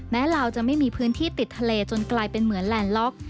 ลาวจะไม่มีพื้นที่ติดทะเลจนกลายเป็นเหมือนแลนดล็อก